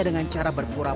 dengan cara berpura pura